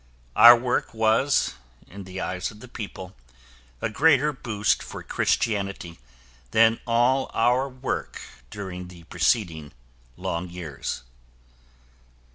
Our work was, in the eyes of the people, a greater boost for Christianity than all our work during the preceding long years.